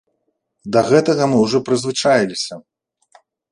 Да гэтага мы ўжо прызвычаіліся.